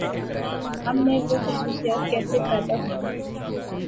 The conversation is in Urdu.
ہم میں وہ خصوصیات کیسے پیداہونگی؟